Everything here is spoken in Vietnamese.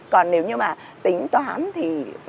còn nếu như mà tính toán thì nó